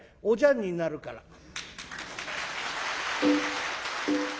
「おじゃんになるから」。